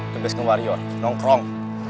kebiasakan wario nongkrong